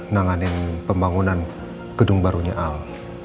nanganin pembangunan gedung barunya al